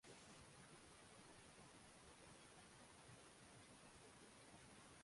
在这个阶段也以重力微透镜法发现了第一颗行星。